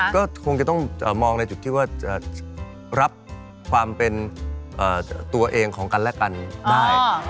ก็คงจะต้องมองในจุดที่ว่าจะรับความเป็นตัวเองของกันและกันได้